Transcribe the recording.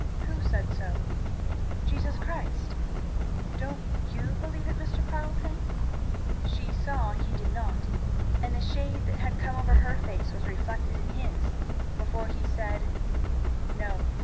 "Who said so?" "Jesus Christ. Don't you believe it, Mr. Carleton?" She saw he did not, and the shade that had come over her face was reflected in his before he said "No."